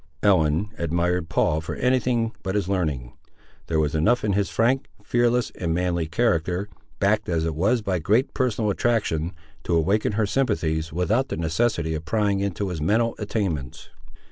Ellen admired Paul for anything but his learning. There was enough in his frank, fearless, and manly character, backed as it was by great personal attraction, to awaken her sympathies, without the necessity of prying into his mental attainments.